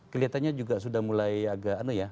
kelihatannya juga sudah mulai agak aneh ya